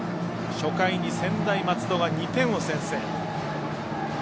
初回に専大松戸は２点を先制。